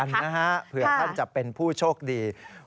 นะฮะเผื่อท่านจะเป็นผู้โชคดี